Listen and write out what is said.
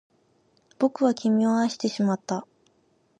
僕は君を愛してしまった